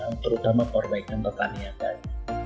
untuk memperbaikkan petani yang tadi